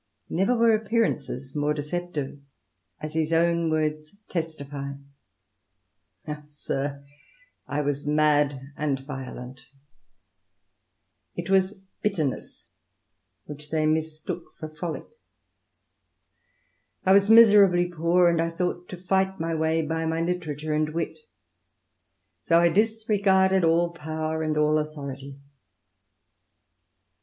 Never were appearances more deceptive, as his own^^ INTROD UCTION. vii words testify — "Ah, sir, I was mad and violent It was bitterness which they mistook for frolick. I was miserably poor, and I thought to fight my way by my literature and wit; so I disregarded all power and all authority."